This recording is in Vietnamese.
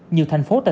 như thành phố tp hcm